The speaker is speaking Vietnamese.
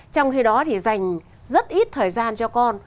trong khi đó thì dành rất ít thời gian cho con